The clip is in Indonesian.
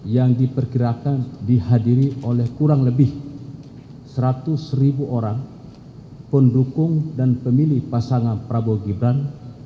yang diperkirakan dihadiri oleh kurang lebih seratus ribu orang pendukung dan pemilih pasangan prabowo gibran